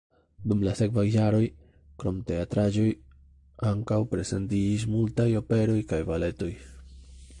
Dum la sekvaj jaroj krom teatraĵoj ankaŭ prezentiĝis multaj operoj kaj baletoj.